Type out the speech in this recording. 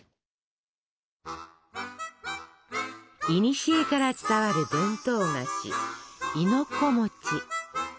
いにしえから伝わる伝統菓子亥の子。